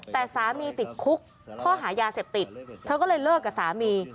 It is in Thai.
แต่สามีติดคุกข้อหายาเสพติดเธอก็เลยเลิกกับสามี